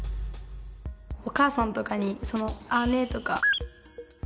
お母さんとかにその「あね」とか。